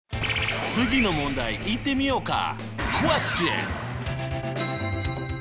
次の問題いってみようか。